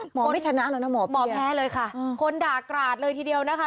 ไม่ได้ชนะแล้วนะหมอหมอแพ้เลยค่ะคนด่ากราดเลยทีเดียวนะคะ